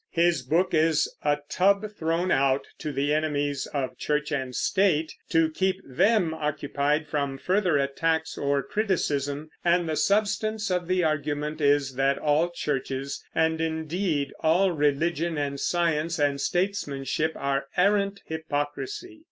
His book is a tub thrown out to the enemies of Church and State to keep them occupied from further attacks or criticism; and the substance of the argument is that all churches, and indeed all religion and science and statesmanship, are arrant hypocrisy.